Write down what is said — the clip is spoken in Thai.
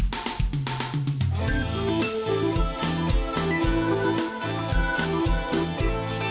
โปรดติดตามตอนต่อไป